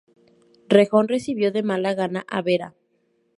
Rejón recibió de mala gana a Vera.